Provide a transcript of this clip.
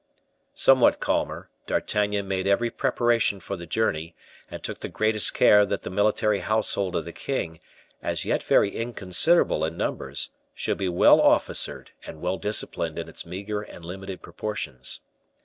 Somewhat calmer, D'Artagnan made every preparation for the journey, and took the greatest care that the military household of the king, as yet very inconsiderable in numbers, should be well officered and well disciplined in its meager and limited proportions.